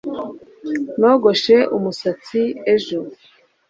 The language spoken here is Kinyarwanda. Nogoshe umusatsi ejo